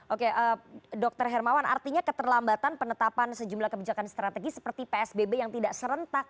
oke dr hermawan artinya keterlambatan penetapan sejumlah kebijakan strategis seperti psbb yang tidak serentak